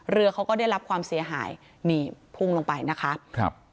เรือเขาก็ได้รับความเสียหายนี่พุ่งลงไปนะคะครับ